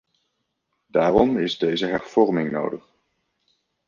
Daarom is deze hervorming nodig.